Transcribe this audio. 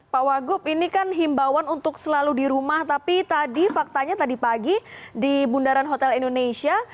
pak wagub ini kan himbawan untuk selalu di rumah tapi tadi faktanya tadi pagi di bundaran hotel indonesia